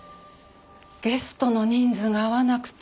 ゲストの人数が合わなくて。